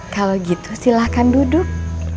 kalau gitu silahkan duduk